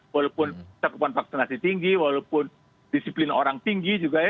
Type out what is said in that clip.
walaupun cakupan vaksinasi tinggi walaupun disiplin orang tinggi juga ya